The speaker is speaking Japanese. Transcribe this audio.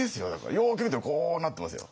よく見たらこうなってますよ。